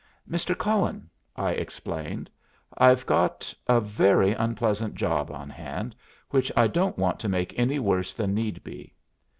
"Mr. Cullen," I explained, "I've got a very unpleasant job on hand, which I don't want to make any worse than need be.